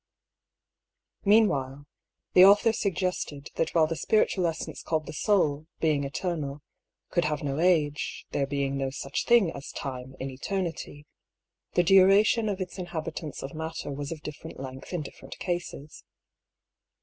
Meanwhile, the author suggested that while the spir 240 I>B. PAULL'S THEORY. itaal essence called the Soul, being eternal, could hare no age, there being no such thing as Time in Eternity, the duration of its inhabitance of matter was of differ ent length in different cases.